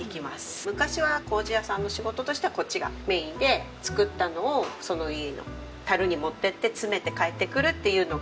昔は糀屋さんの仕事としてはこっちがメインで作ったのをその家の樽に持って行って詰めて帰ってくるっていうのが。